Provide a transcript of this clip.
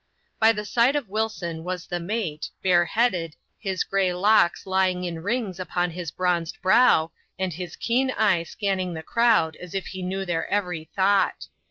By the side of Wilson was the mate, bareheaded, his gray 3ck8 lying in rings upon his bronzed brow, and his keen eye canning the crowd as if he knew their every thought.